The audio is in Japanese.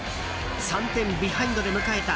３点ビハインドで迎えた